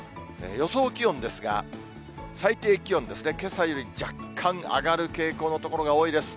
予想気温ですが、最低気温ですね、けさより若干上がる傾向の所が多いです。